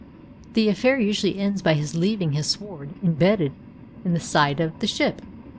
The affair usually ends by his leaving his sword embedded in the side of the ship.